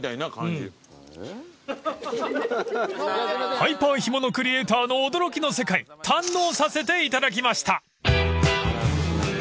［ハイパー干物クリエイターの驚きの世界堪能させていただきました］